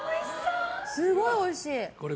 すごいおいしい。